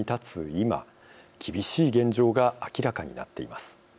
今厳しい現状が明らかになっています。